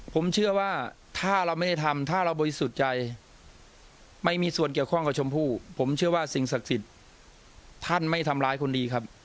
ผมเชื่อว่าถ้าเราไม่ได้ทำถ้าเราบริสุทธิ์ใจไม่มีส่วนเกี่ยวข้องกับชมพู่ผมเชื่อว่าสิ่งศักดิ์สิทธิ์ท่านไม่ทำร้ายคนดีครับ